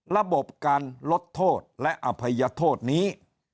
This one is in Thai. ระบบการลดโทษและอภัยโทษนี้